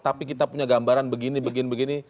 tapi kita punya gambaran begini begini